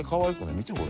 見てこれ。